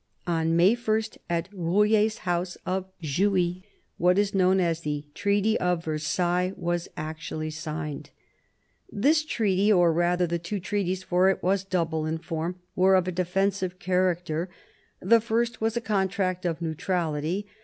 On May 1, at Rouille^s house of Jouy, what is known as the Treaty of Versailles was actually signed 1748 55 CHANGE OF ALLIANCES 111 This treaty, or rather the two treaties, for it was double in form, were of a defensive character. The first was a contract of neutrality.